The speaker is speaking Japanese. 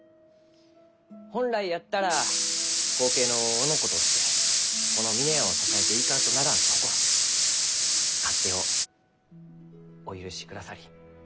本来やったら後継のおのことしてこの峰屋を支えていかんとならんところ勝手をお許しくださりありがたく思う